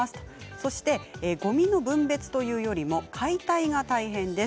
そして、ごみの分別というよりも解体が大変です。